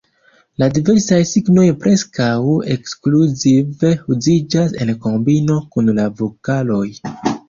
La diversaj signoj preskaŭ ekskluzive uziĝas en kombino kun la vokaloj.